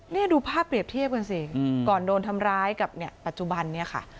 นี่ดูภาพเปรียบเทียบกันสิก่อนโดนทำร้ายกับเนี่ยปัจจุบันเนี่ยค่ะ